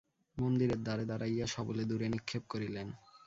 মন্দিরের দ্বারে দাঁড়াইয়া সবলে দূরে নিক্ষেপ করিলেন।